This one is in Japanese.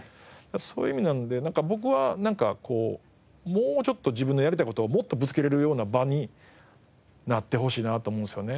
そういう意味で僕はもうちょっと自分のやりたい事をもっとぶつけれるような場になってほしいなと思うんですよね。